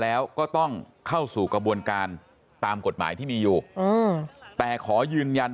แล้วก็ต้องเข้าสู่กระบวนการตามกฎหมายที่มีอยู่แต่ขอยืนยัน